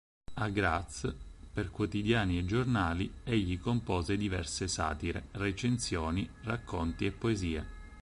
A Graz, per quotidiani e giornali, egli compose diverse satire, recensioni, racconti e poesie.